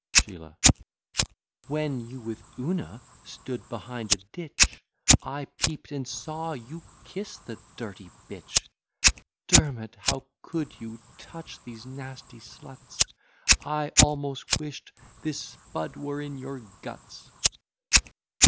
SHEELAH When you with Oonah stood behind a ditch, I peep'd, and saw you kiss the dirty bitch; Dermot, how could you touch these nasty sluts? I almost wish'd this spud were in your guts.